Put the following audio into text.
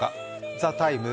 「ＴＨＥＴＩＭＥ，」